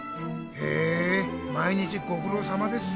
へえ毎日ごくろうさまです。